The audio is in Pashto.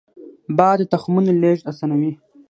باد د تخمونو لیږد اسانوي